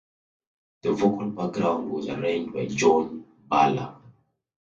The vocal background was arranged by John Bahler.